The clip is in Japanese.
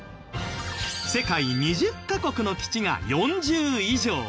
世界２０カ国の基地が４０以上。